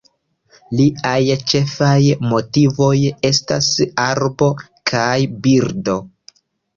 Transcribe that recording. Liaj ĉefaj motivoj estas arbo kaj birdo.